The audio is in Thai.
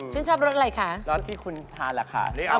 ชื่นชอบรสอะไรคะรสที่คุณทานราคา